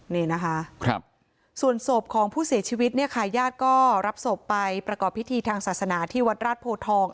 นี่นะคะส่วนศพของผู้เสียชีวิตเนี่ยค่ะญาติก็รับศพไปประกอบพิธีทางศาสนาที่วัดราชโพทอง